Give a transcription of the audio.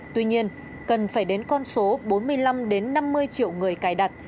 tuy nhiên cần phải đến con số bốn mươi năm năm mươi triệu người cài đặt